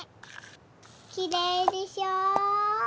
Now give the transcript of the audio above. きれいでしょ？